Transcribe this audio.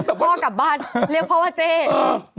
เป็นการกระตุ้นการไหลเวียนของเลือด